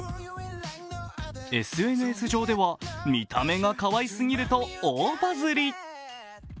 ＳＮＳ上では見た目がかわいすぎると大バズり。